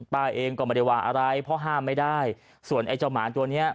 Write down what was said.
ป้าเองก็ไม่ได้ว่าอะไรเพราะห้ามไม่ได้ส่วนไอ้เจ้าหมาตัวเนี้ย